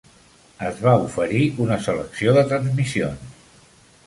Es va oferir una selecció de transmissions.